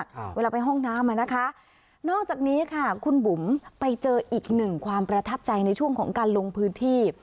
เวลาไปห้องน้ำอ่ะนะคะนอกจากนี้ค่ะคุณบุ๋มไปเจออีกหนึ่งความประทับใจในช่วงของการลงพื้นที่